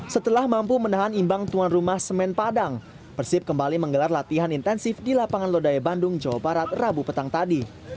setelah mampu menahan imbang tuan rumah semen padang persib kembali menggelar latihan intensif di lapangan lodaya bandung jawa barat rabu petang tadi